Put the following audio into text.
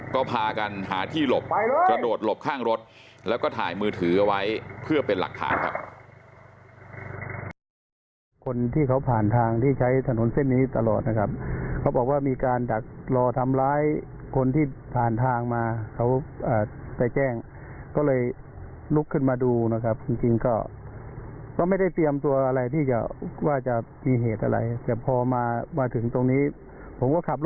ก็พากันหาที่หลบกระโดดหลบข้างรถแล้วก็ถ่ายมือถือเอาไว้เพื่อเป็นหลักฐานครับ